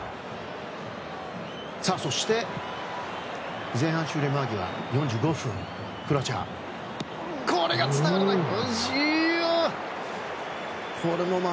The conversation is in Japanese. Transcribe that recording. そして前半終了間際の４５分クロアチア。